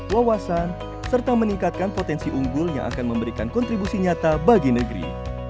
wawasan serta meningkatkan potensi unggul yang akan memberikan kontribusi nyata bagi negeri